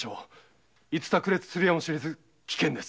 いつ炸裂するやもしれず危険です。